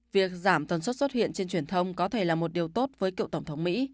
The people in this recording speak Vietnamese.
việc giảm tần suất xuất hiện trên truyền thông có thể là một điều tốt với cựu tổng thống mỹ